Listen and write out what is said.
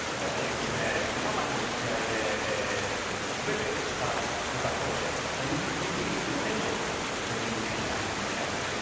今までの試合ですべて２５点以上取っているんじゃないですかね。